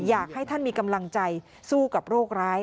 อยากให้ท่านมีกำลังใจสู้กับโรคร้าย